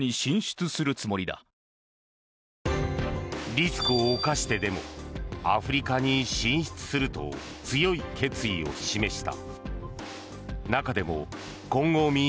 リスクを冒してでもアフリカに進出すると強い決意を示した。